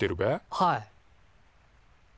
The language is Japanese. はい。